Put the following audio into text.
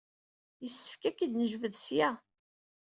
Yessefk ad k-id-nejbed ssya.